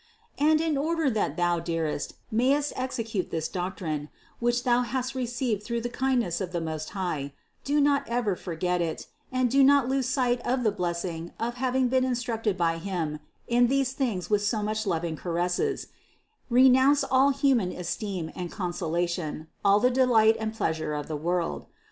645. And in order that thou, dearest, mayest execute this doctrine, which thou hast received through the kind ness of the Most High, do not ever forget it, and do not lose sight of the blessing of having been instructed by Him in these things with so much loving caresses; re nounce all human esteem and consolation, all the delight and pleasure of the world.